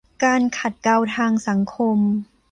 การขัดเกลาทางสังคม